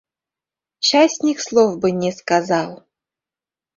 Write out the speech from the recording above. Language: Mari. — Частник слов бы не сказал!..